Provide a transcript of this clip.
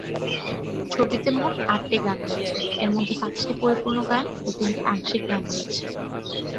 ছবিতে মোট আটটি গান রয়েছে এর মধ্যে পাঁচটি পরিপূর্ণ গান ও তিনটি আংশিক গান রয়েছে।